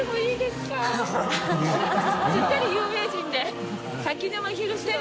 ・すっかり有名人で。